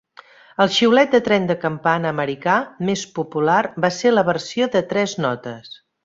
El xiulet de tren de campana americà més popular va ser la versió de tres notes.